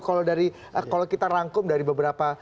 kalau kita rangkum dari beberapa